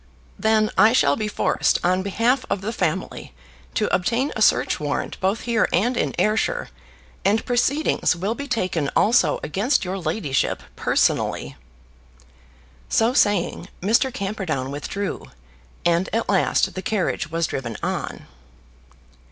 "Then I shall be forced, on behalf of the family, to obtain a search warrant, both here and in Ayrshire, and proceedings will be taken also against your ladyship personally." So saying, Mr. Camperdown withdrew, and at last the carriage was driven on.